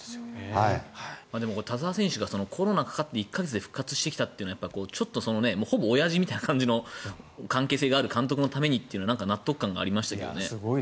でも、田澤選手がコロナにかかって１か月で復活してきたっていうのはほぼおやじみたいな感じの関係性がある監督のためにというのは納得感がありましたけどね。